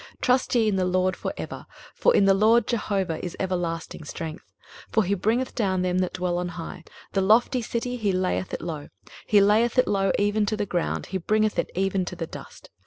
23:026:004 Trust ye in the LORD for ever: for in the LORD JEHOVAH is everlasting strength: 23:026:005 For he bringeth down them that dwell on high; the lofty city, he layeth it low; he layeth it low, even to the ground; he bringeth it even to the dust.